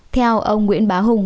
theo ông nguyễn bá hùng